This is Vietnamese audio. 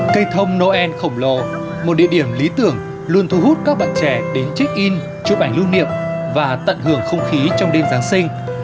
cây thông noel khổng lồ một địa điểm lý tưởng luôn thu hút các bạn trẻ đến check in chụp ảnh lưu niệm và tận hưởng không khí trong đêm giáng sinh